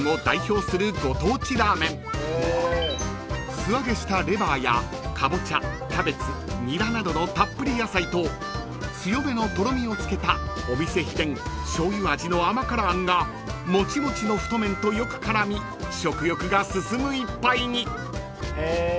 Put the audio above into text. ［素揚げしたレバーやカボチャキャベツニラなどのたっぷり野菜と強めのとろみをつけたお店秘伝しょうゆ味の甘辛餡がモチモチの太麺とよく絡み食欲が進む１杯に］